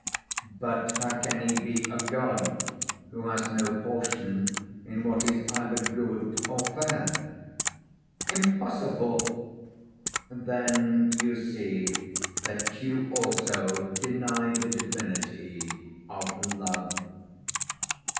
'But how can he be a god who has no portion in what is either good or fair?' 'Impossible.' 'Then you see that you also deny the divinity of Love.'